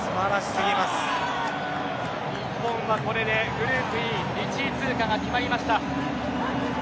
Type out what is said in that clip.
日本はこれでグループＥ１位通過が決まりました。